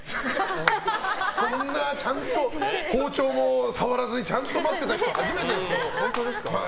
こんなちゃんと包丁も触らずにちゃんと待ってた人、初めてです。